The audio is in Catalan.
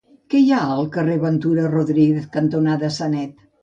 Què hi ha al carrer Ventura Rodríguez cantonada Sanet?